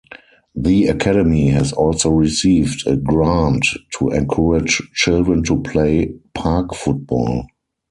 The academy has also received a grant to encourage children to play "park football".